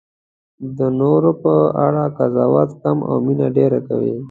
د نورو په اړه قضاوت کم او مینه ډېره کوئ.